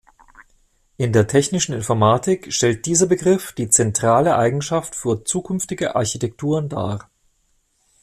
In der technischen Informatik stellt dieser Begriff die zentrale Eigenschaft für zukünftige Architekturen dar.